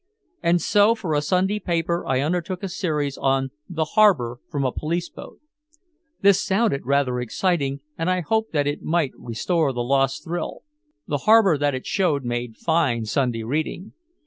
And so for a Sunday paper I undertook a series on "The Harbor from a Police Boat." This sounded rather exciting and I hoped that it might restore the lost thrill. The harbor that it showed me made fine Sunday reading.